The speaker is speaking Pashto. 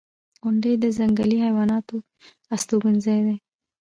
• غونډۍ د ځنګلي حیواناتو استوګنځای دی.